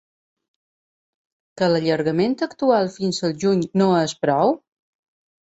Que l’allargament actual fins al juny no és prou?